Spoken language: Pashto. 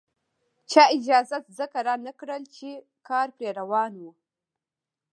چا اجازه ځکه رانکړه چې کار پرې روان وو.